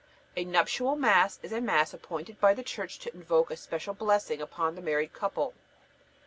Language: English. A nuptial Mass is a Mass appointed by the Church to invoke a special blessing upon the married couple.